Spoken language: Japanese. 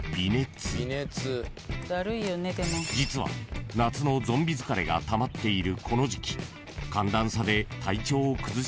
［実は夏のゾンビ疲れがたまっている］